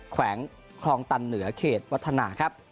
แขวงคลองตันเหนือเขตวัฒนาครับ